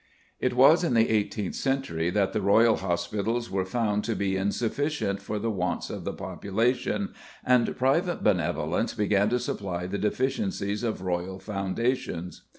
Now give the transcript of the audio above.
It was in the eighteenth century that the Royal Hospitals were found to be insufficient for the wants of the population, and private benevolence began to supply the deficiencies of Royal foundations.